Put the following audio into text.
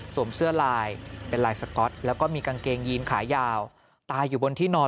เสื้อลายเป็นลายสก๊อตแล้วก็มีกางเกงยีนขายาวตายอยู่บนที่นอน